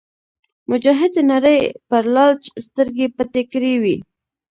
مجاهد د نړۍ پر لالچ سترګې پټې کړې وي.